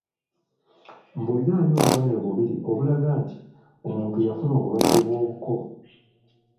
Mbuulirayo obubonero bubiri obulaga nti omuntu yafuna obulwadde bw’obubuko.